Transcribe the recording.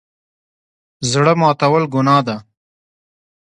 زړه ماتول ګناه ده